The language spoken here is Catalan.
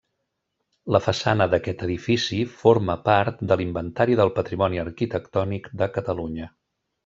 La façana d'aquest edifici forma part de l'Inventari del Patrimoni Arquitectònic de Catalunya.